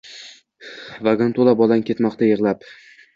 Vagon to’la bolang ketmoqda yig’lab